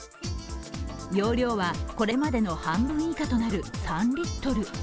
容量はこれまでの半分以下となる３リットル。